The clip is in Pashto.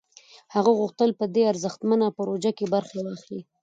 هغه غوښتل په دې ارزښتمنه پروژه کې برخه واخلي